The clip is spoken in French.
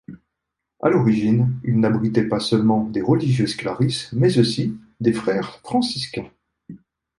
À l'origine il n'abritait pas seulement des religieuses clarisses, mais aussi des frères franciscains.